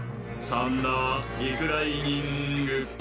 サンダー・リクライニング。